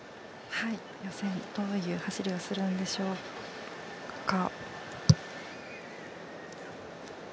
予選、どういう走りをするんでしょうか。